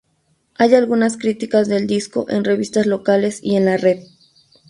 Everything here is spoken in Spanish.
Hay algunas críticas del disco en revistas locales y en la red.